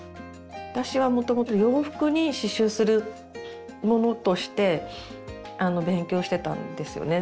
私はもともと洋服に刺しゅうするものとして勉強してたんですよね。